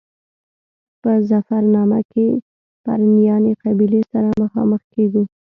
په ظفرنامه کې پرنیاني قبیلې سره مخامخ کېږو.